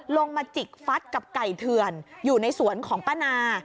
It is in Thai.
มาจิกฟัดกับไก่เถื่อนอยู่ในสวนของป้านา